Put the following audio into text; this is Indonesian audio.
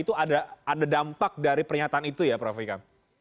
itu ada dampak dari pernyataan itu ya prof ikam